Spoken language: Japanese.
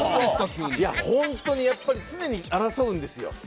本当にやっぱり常に争うんですよ。